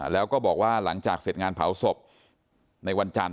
แล้วก็บอกว่าหลังจากเสร็จงานเผาศพในวันจันทร์